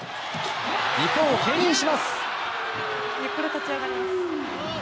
日本を牽引します。